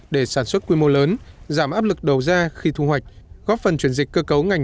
để sản xuất quy mô lớn giảm áp lực đầu ra khi thu hoạch góp phần chuyển dịch cơ cấu ngành